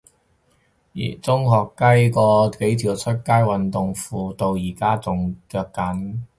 中學雞嗰幾條出街運動褲到而家都仲着緊